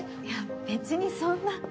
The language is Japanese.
いや別にそんな。